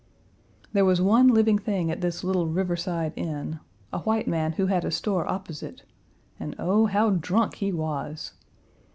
There was one living thing at this little riverside inn a white man who had a store opposite, and oh, how drunk he was!